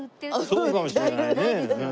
そうかもしれないね。